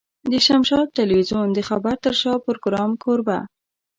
د شمشاد ټلوېزيون د خبر تر شا پروګرام کوربه.